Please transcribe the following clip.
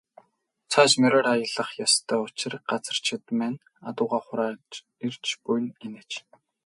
Цааш мориор аялах ёстой учир газарчид маань адуугаа хураан ирж буй нь энэ аж.